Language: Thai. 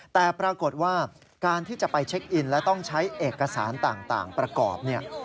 แต่ปรากฏว่าการที่จะไปเช็คอินและต้องใช้เอกสารต่างประกอบเนี่ย